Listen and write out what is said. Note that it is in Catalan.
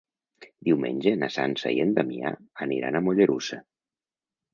Diumenge na Sança i en Damià aniran a Mollerussa.